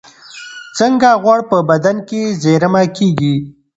څنګه غوړ په بدن کې زېرمه کېږي؟